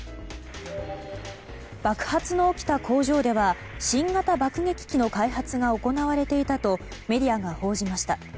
爆発の起きた工場では新型爆撃機の開発が行われていたとメディアが報じました。